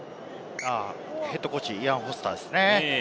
ヘッドコーチはイアン・フォスターですね。